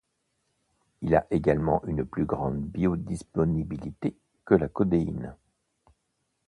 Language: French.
Il a également une plus grande biodisponibilité que la codéine.